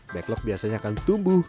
backlog biasanya akan jauh